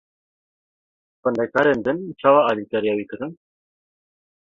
Xwendekarên din çawa alîkariya wî kirin?